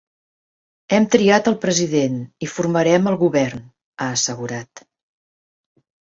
Hem triat al president i formarem el govern, ha assegurat.